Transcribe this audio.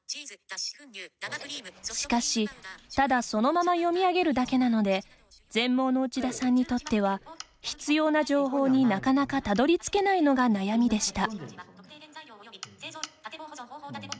しかし、ただそのまま読み上げるだけなので全盲の内田さんにとっては必要な情報に、なかなかたどり着けないのが悩みでした。